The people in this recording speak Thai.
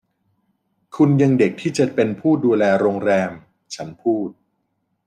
คุณยังเด็กที่จะเป็นผู้ดูแลโรงแรม” ฉันพูด